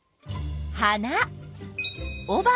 花。